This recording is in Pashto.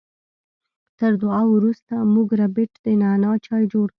تر دعا وروسته مور ربیټ د نعنا چای جوړ کړ